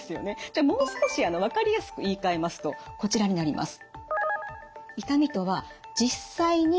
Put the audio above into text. じゃあもう少し分かりやすく言いかえますとこちらになります。